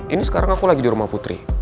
ini sekarang aku lagi di rumah putri